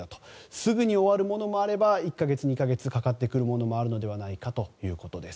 すぐに終わるものもあれば１か月２か月かかってくるものもあるのではないかということです。